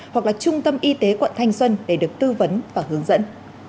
hoặc là trung tâm y tế quận thanh xuân để được tư vấn và hướng dẫn